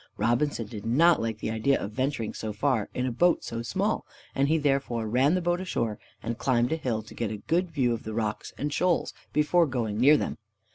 Robinson did not like the idea of venturing so far in a boat so small, and he therefore ran the boat ashore, and climbed a hill, to get a good view of the rocks and shoals before going near them.